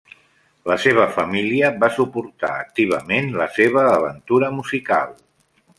La seva família va suportar activament la seva aventura musical.